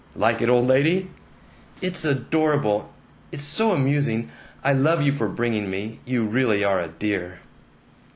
"Like it, old lady?" "It's adorable. It's so amusing. I love you for bringing me. You really are a dear!"